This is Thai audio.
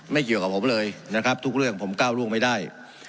ไม่เกี่ยวกับผมเลยนะครับทุกเรื่องผมก้าวร่วงไม่ได้